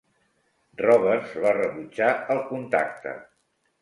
Roberts va rebutjar el contacte.